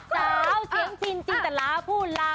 เจ้าเสียงจินจินตราภูมิลาบ